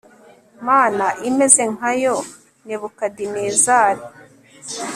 mana imeze nka yo nebukadinezari